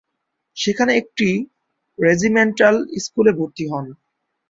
সেখানে একটি রেজিমেন্টাল স্কুলে ভর্তি হন।